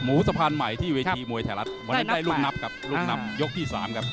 หมูสะพานไม่ที่เวทย์มวยไทยรัฐวันนี้ได้รุ่นนับยกที่๓ครับ